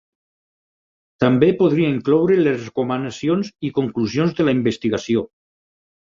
També podria incloure les recomanacions i conclusions de la investigació.